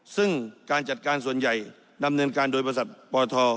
ซึ่งการจัดการส่วนใหญ่ดำเนินการโดยบริษัทปท